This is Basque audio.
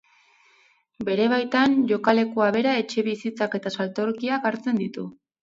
Bere baitan jokalekua bera, etxebizitzak eta saltokiak hartzen ditu.